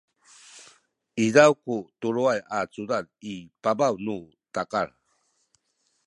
izaw ku tuluay a cudad i pabaw nu takal